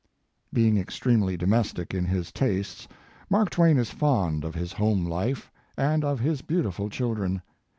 Being extremely domestic in his tastes Mark Twain is fond of his home life, and of his beautiful children.